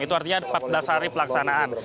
itu artinya empat belas hari pelaksanaan